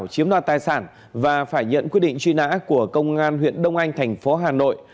chiếm đoạt tài sản và phải nhận quyết định truy nã của công an huyện đông anh thành phố hà nội